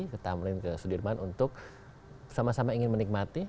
ketamrin sudirman untuk sama sama ingin menikmati